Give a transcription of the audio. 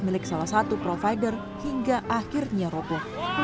milik salah satu provider hingga akhirnya roboh